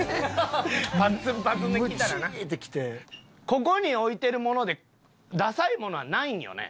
ここに置いてるものでダサいものはないんよね？